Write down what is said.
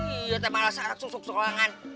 iya teh malah seharusnya sukses ulangan